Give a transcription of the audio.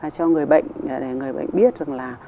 cho người bệnh để người bệnh biết rằng là